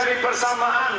mari kita cari persamaan